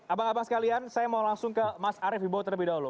abang abang sekalian saya mau langsung ke mas arief ibo terlebih dahulu